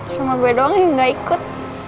sama gue doang yang gak ikut